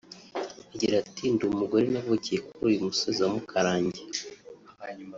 Agira ati “Ndi umugore navukiye kuri uyu musozi wa Mukarange